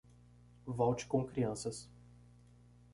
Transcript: Volte com crianças.